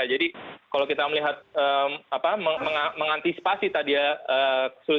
jadi kalau kita melihat mengantisipasi tadi ya